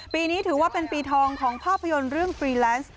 ปีนี้ถือว่าเป็นปีทองของภาพยนตร์เรื่องฟรีแลนซ์